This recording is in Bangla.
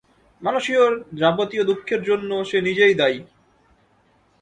মানুষের যাবতীয় দুঃখের জন্য সে নিজেই দায়ী।